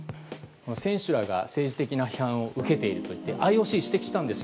選手らが政治的な批判を受けているとＩＯＣは指摘したんです。